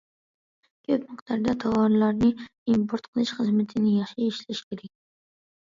كۆپ مىقدارلىق تاۋارلارنى ئىمپورت قىلىش خىزمىتىنى ياخشى ئىشلەش كېرەك.